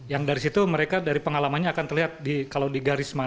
yang dari situ mereka dari pengalamannya akan terlihat kalau di garis mana